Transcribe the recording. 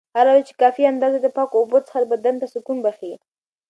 هره ورځ په کافي اندازه د پاکو اوبو څښل بدن ته سکون بښي.